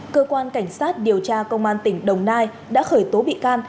cơ quan cảnh sát điều tra công an tỉnh đồng nai đã khởi tố bị can